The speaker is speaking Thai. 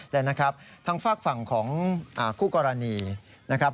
และทางฝากฝั่งของคู่กรณีนะครับ